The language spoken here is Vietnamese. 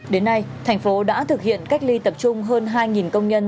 đến nay thành phố đã thực hiện cách ly tập trung hơn hai công nhân